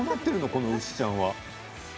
この牛ちゃんは。